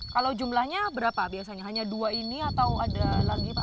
kalau jumlahnya berapa biasanya hanya dua ini atau ada lagi pak